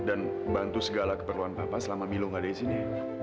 dan bantu segala keperluan papa selama milo nggak ada di sini